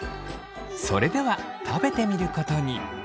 それでは食べてみることに。